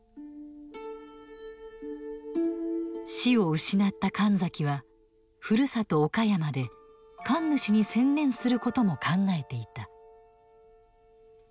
師を失った神崎はふるさと岡山で神主に専念することも考えていた。